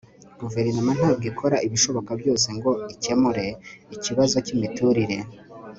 guverinoma ntabwo ikora ibishoboka byose ngo ikemure ikibazo cyimiturire